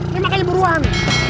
ini makanya buruan